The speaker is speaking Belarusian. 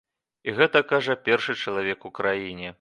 І гэта кажа першы чалавек у краіне.